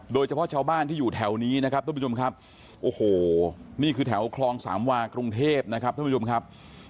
โดยเฉพาะชาวบ้านที่อยู่แถวนี้นะครับทุกผู้ชมครับโอ้โหนี่คือแถวคลองสามวากรุงเทพนะครับท่านผู้ชมครับ